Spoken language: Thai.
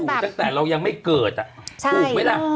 มันอยู่ตั้งแต่เรายังไม่เกิดอะถูกไหมนะ